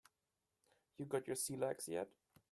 You got your sea legs yet?